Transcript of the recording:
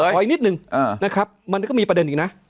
อีกนิดนึงนะครับมันก็มีประเด็นอีกนะ